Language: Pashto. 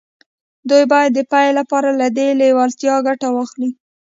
دوی باید د پیل لپاره له دې لېوالتیا ګټه واخلي